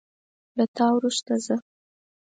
له تا وروسته زه